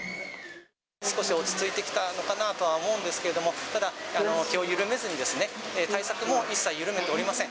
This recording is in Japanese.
少し落ち着いてきたのかなとは思うんですけども、ただ、気を緩めずにですね、対策も一切緩めておりません。